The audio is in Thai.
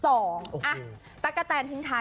สงกัดขอบคุณที่เป็นทุกอย่างให้